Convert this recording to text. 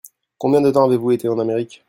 Combien de temps avez-vous été en Amérique ?